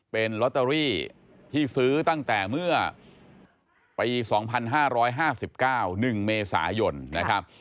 เป็นลอตเตอรี่ที่ซื้อตั้งแต่เมื่อไปสองพันห้าร้อยห้าสิบเก้านึงเมษายนนะครับ